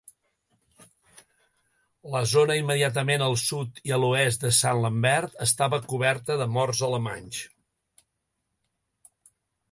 La zona immediatament al sud i a l'oest de St. Lambert estava coberta de morts alemanys.